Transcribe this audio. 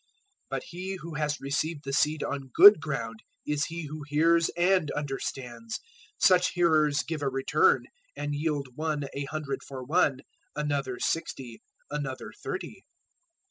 013:023 But he who has received the seed on good ground is he who hears and understands. Such hearers give a return, and yield one a hundred for one, another sixty, another thirty.")